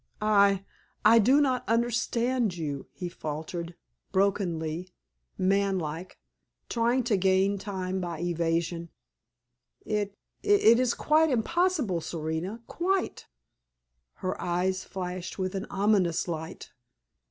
"I I do not understand you," he faltered, brokenly, manlike, trying to gain time by evasion. "I I It is quite impossible, Serena quite!" Her eyes flashed with an ominous light.